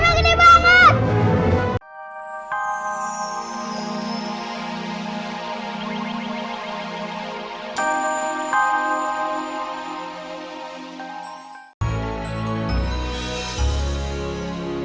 tapi rasanya gue dalam percayako